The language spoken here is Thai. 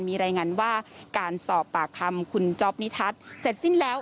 มีรายงานว่าการสอบปากคำคุณจ๊อปนิทัศน์เสร็จสิ้นแล้ว